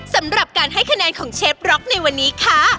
สำหรับการให้คะแนนของเชฟร็อกในวันนี้ค่ะ